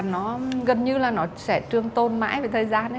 nó gần như là nó sẽ trương tôn mãi về thời gian